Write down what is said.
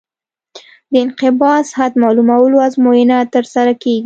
د انقباض حد معلومولو ازموینه ترسره کیږي